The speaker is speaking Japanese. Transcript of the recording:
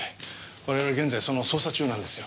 我々は現在その捜査中なんですよ。